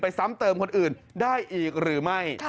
ซ้ำเติมคนอื่นได้อีกหรือไม่